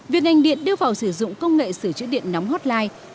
việc ngành điện đưa vào sử dụng công nghệ sửa chữa điện nóng hotline